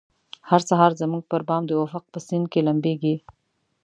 هر سهار زموږ پربام د افق په سیند کې لمبیږې